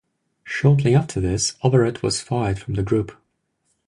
Shortly after this, Overett was fired from the group.